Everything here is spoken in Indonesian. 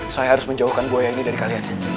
saya harus menjauhkan buaya ini dari kalian sih